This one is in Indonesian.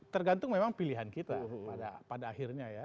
tergantung memang pilihan kita pada akhirnya ya